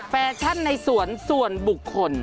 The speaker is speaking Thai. แฟชั่นในสวนส่วนบุคคล